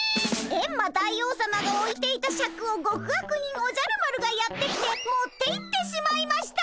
エンマ大王さまがおいていたシャクを極悪人おじゃる丸がやって来て持っていってしまいました！